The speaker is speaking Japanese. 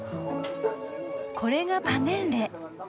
これがパネッレ。